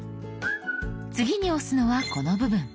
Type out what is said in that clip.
次に押すのはこの部分。